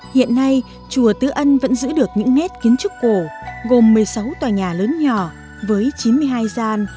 hiện nay chùa tứ ân vẫn giữ được những nét kiến trúc cổ gồm một mươi sáu tòa nhà lớn nhỏ với chín mươi hai gian